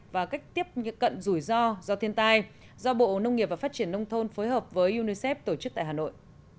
và cách tiếp cận rủi ro do thiên tai do bộ nông nghiệp và phát triển nông thôn phối hợp với unicef tổ chức tại hà nội